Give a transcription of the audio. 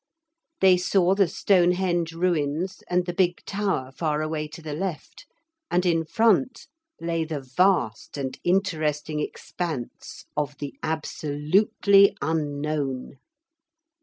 They saw the Stonehenge ruins and the big tower far away to the left, and in front lay the vast and interesting expanse of the Absolutely Unknown.